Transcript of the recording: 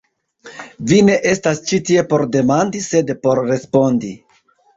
Vi ne estas ĉi tie por demandi sed por respondi.